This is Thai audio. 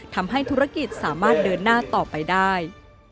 ทำให้ธุรกิจสามารถเดินหน้าต่อไปได้